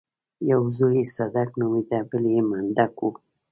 يو زوی يې صدک نومېده بل يې منډک و.